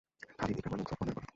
Khalid, Ikrima ও সফওয়ান-এর ঘোড়া।